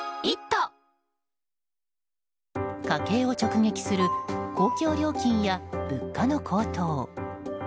家計を直撃する公共料金や物価の高騰。